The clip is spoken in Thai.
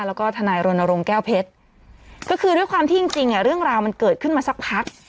แล้วก็ทนายรณรงค์แก้วเพชรก็คือด้วยความที่จริงจริงอ่ะเรื่องราวมันเกิดขึ้นมาสักพัก